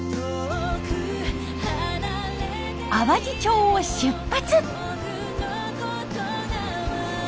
淡路町を出発。